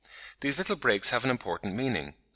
These little breaks have an important meaning.